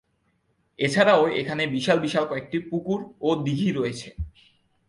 এছাড়াও এখানে বিশাল বিশাল কয়েকটি পুকুর ও দিঘী রয়েছে।